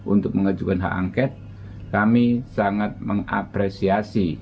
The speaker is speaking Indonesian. untuk mengajukan hak angket kami sangat mengapresiasi